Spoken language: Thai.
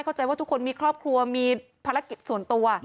เข้าใจว่าทุกคนมีครอบครัวมีภารกิจส่วนตัว